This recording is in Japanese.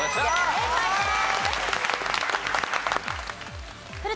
正解です。